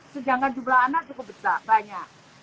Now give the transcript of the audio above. sedangkan jumlah anak cukup besar banyak